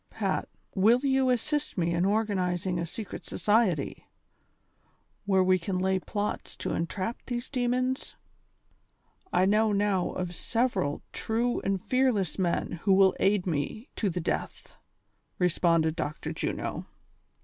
" Pat, will you assist me in organizing a secret society, where we can lay plots to entrap these demons ? I know now 192 THE SOCIAL WAR OF 1900; OR, of several true and fearless men who will aid me to the death," responded Dr. Juno.